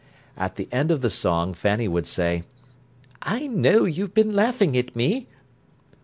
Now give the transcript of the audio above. At the end of the song Fanny would say: "I know you've been laughing at me."